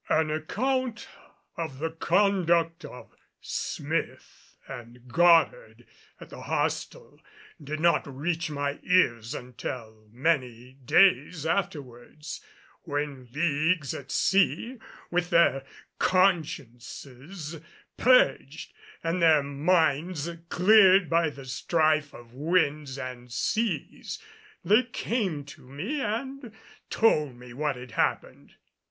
An account of the conduct of Smith and Goddard at the hostel did not reach my ears until many days afterwards when leagues at sea, with their consciences purged and their minds cleared by the strife of winds and seas, they came to me and told me what had happened.